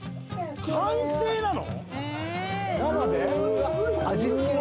完成なの？